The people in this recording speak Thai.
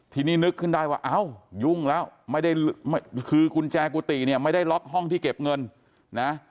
ทีนี้นึกขึ้นได้ว่าอ้าวยุ่งแล้วไม่ได้คือกุญแจกุฏิเนี่ยไม่ได้ล็อกห้องที่เก็บเงินนะ